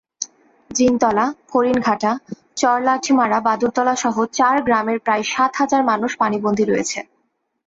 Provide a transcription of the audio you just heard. জিনতলা, হরিণঘাটা, চরলাঠিমারা, বাদুরতলাসহ চার গ্রামের প্রায় সাত হাজার মানুষ পানিবন্দী রয়েছে।